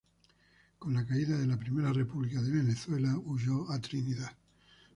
Con la caída de la Primera República de Venezuela huyó a Trinidad.